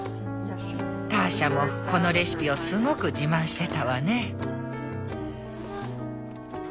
ターシャもこのレシピをすごく自慢してたわね。